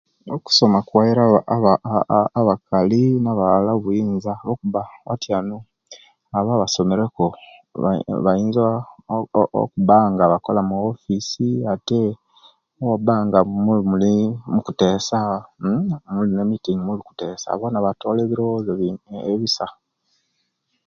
Okusoma kuwaire aba aba abakali nabaala obuyiinza lwokuba atyanu abo abasomereku bayi bayinza o okubanga bakola mumawofisi, ate owemuba nga mulimukuteesa mmm muli mumitingi muli kuteesa boona batoola ebirowozo ebisa